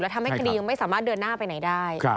ทำให้คดียังไม่สามารถเดินหน้าไปไหนได้